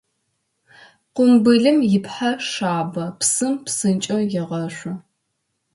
Къумбылым ипхъэ шъабэ, псым псынкӏэу егъэшъу.